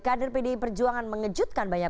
kader pdi perjuangan mengejutkan banyak